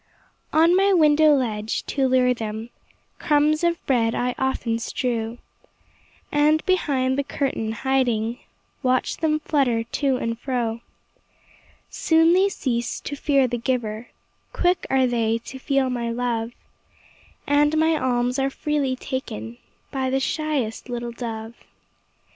On my window ledge, to lure them, Crumbs of bread I often strew, And, behind the curtain hiding, Watch them flutter to and fro. Soon they cease to fear the giver, Quick are they to feel my love, And my alms are freely taken By the shyest little dove.